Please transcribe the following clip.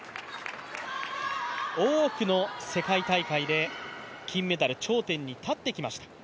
多くの世界大会で金メダル、頂点に立ってきました。